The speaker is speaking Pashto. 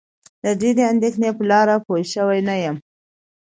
له ډېرې اندېښنې په لاره پوی شوی نه یم.